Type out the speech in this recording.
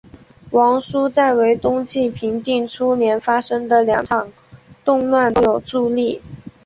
王舒在为东晋平定初年发生的两场动乱都有助力。